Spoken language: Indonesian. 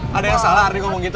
padahal salah ardi ngomong gitu